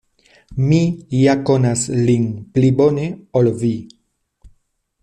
Mi ja konas lin pli bone, ol vi.